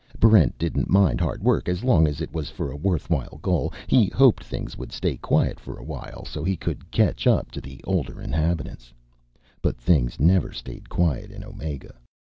Barrent didn't mind hard work as long as it was for a worthwhile goal. He hoped things would stay quiet for a while so he could catch up to the older inhabitants. But things never stayed quiet in Omega.